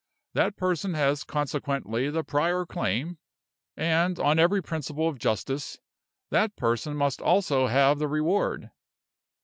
That person has consequently the prior claim; and, on every principle of justice, that person must also have the reward.